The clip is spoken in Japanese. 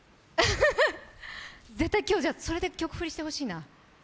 絶対今日、それで曲振りしてほしいな。